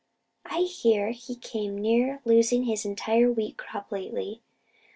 I hear he came near losing his entire wheat crop lately.